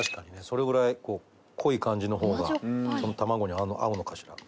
それぐらい濃い感じの方がその卵に合うのかしら。